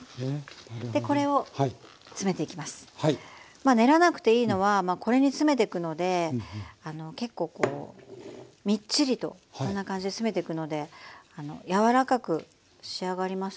まあ練らなくていいのはこれに詰めてくので結構こうみっちりとこんな感じで詰めていくのであの柔らかく仕上がりますんでこう